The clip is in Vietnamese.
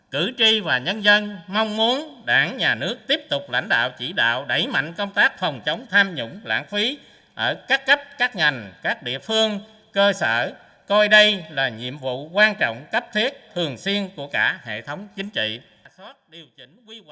cử tri và nhân dân mong muốn đảng nhà nước tiếp tục lãnh đạo chỉ đạo đẩy mạnh công tác phòng chống tham nhũng lãng phí ở các cấp các ngành các địa phương cơ sở coi đây là nhiệm vụ quan trọng cấp thiết thường xuyên của cả hệ thống chính trị